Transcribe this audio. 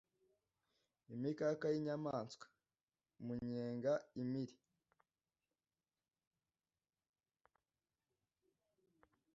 imikaka y'inyamaswa, manyenga, impiri